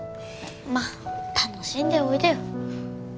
まあ楽しんでおいでよ。